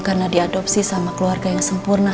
karena diadopsi sama keluarga yang sempurna